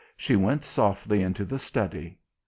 She went softly into the study.